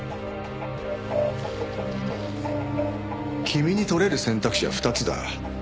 君に採れる選択肢は２つだ。